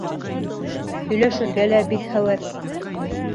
Һөйләшергә лә бик һәүәҫ.